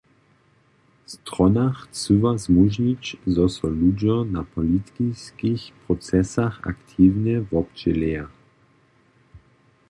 Strona chcyła zmóžnić, zo so ludźo na politiskich procesach aktiwnje wobdźěleja.